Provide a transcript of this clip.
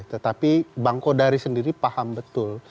tetapi bang kodari sendiri paham betul